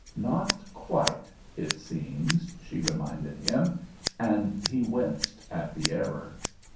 "Not quite, it seems," she reminded him, and he winced at the error.